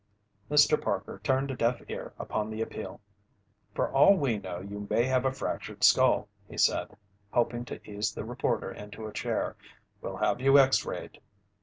Mr. Parker turned a deaf ear upon the appeal. "For all we know, you may have a fractured skull," he said, helping to ease the reporter into a chair. "We'll have you X rayed."